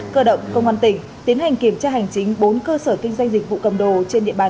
cơ động công an tỉnh tiến hành kiểm tra hành chính bốn cơ sở kinh doanh dịch vụ cầm đồ trên địa bàn